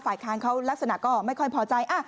ค้างเขาลักษณะก็ไม่ค่อยพอใจ